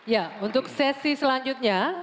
ya untuk sesi selanjutnya